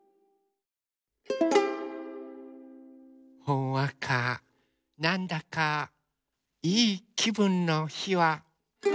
ほんわかなんだかいいきぶんのひは。